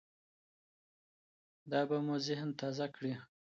دا به مو ذهن تازه کړي.